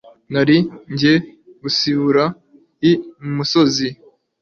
Nari nje gusibira i Musozi